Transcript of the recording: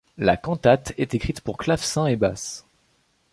La cantate est écrite pour clavecin et basse.